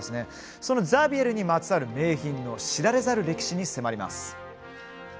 そのザビエルにまつわる名品の知られざる歴史に迫ります。